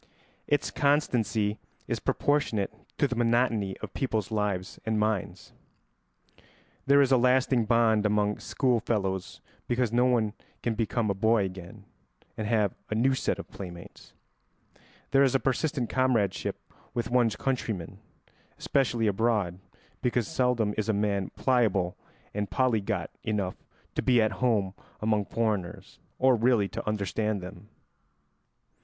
Its constancy is proportionate to the monotony of people's lives and minds. There is a lasting bond among schoolfellows because no one can become a boy again and have a new set of playmates. There is a persistent comradeship with one's countrymen, especially abroad, because seldom is a man pliable and polyglot enough to be at home among foreigners, or really to understand them.